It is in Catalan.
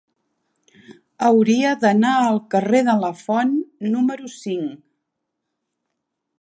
Hauria d'anar al carrer de Lafont número cinc.